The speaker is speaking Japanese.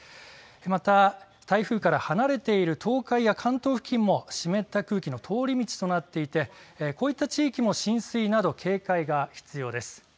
また台風から離れている東海や関東付近も湿った空気の通り道となっていてこういった地域も浸水など警戒が必要です。